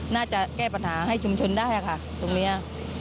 น่าจะแก้ปัญหาให้ชุมชนได้ค่ะตรงนี้